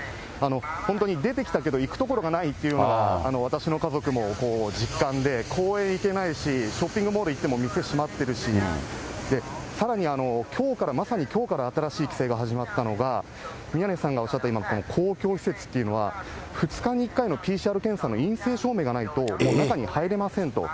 本当に出てきたけど行く所がないっていうのは、私の家族も実感で、公園へ行けないし、ショッピングモール行っても店閉まってるし、さらにきょうから、まさにきょうから新しい規制が始まったのが、宮根さんがおっしゃった、公共施設というのは、２日に１回のＰＣＲ検査の陰性証明がないと中に入れませんと。